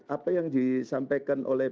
apa yang disampaikan oleh